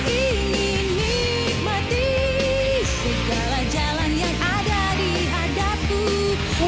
gue ingin nikmati segala jalan yang ada di hadapku